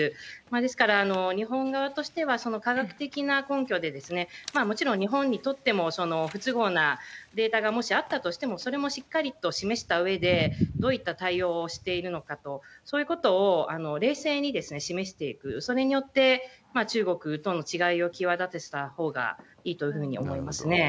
ですから、日本側としては科学的な根拠で、もちろん日本にとっても、不都合なデータがもしあったとしても、それもしっかりと示したうえで、どういった対応をしているのかと、そういうことを冷静に示していく、それによって中国との違いを際立たせたほうがいいというふうに思いますね。